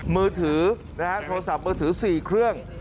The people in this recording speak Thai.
มือถือนะฮะโทรศัพท์มือถือ๔เครื่อง